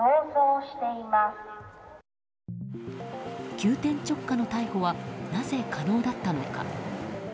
急転直下の逮捕はなぜ可能だったのか。